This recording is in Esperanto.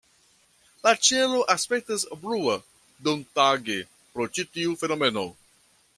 La ĉielo aspektas blua dumtage pro ĉi tiu fenomeno.